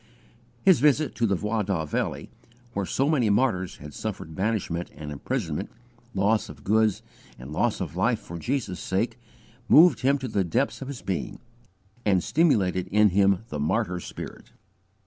His visit to the Vaudois valleys, where so many martyrs had suffered banishment and imprisonment, loss of goods and loss of life for Jesus' sake, moved him to the depths of his being and stimulated in him the martyr spirit.